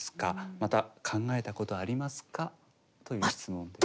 また考えたことありますか？」という質問です。